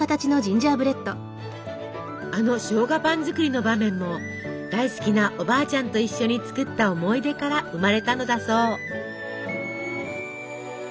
あのしょうがパン作りの場面も大好きなおばあちゃんと一緒に作った思い出から生まれたのだそう。